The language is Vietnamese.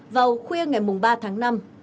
vào khuya ngày ba tháng năm